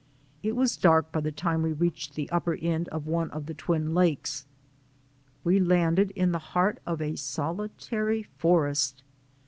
It was dark by the time we reached the upper end of one of the Twin Lakes. We landed in the heart of a solitary forest.